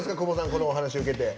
このお話を受けて。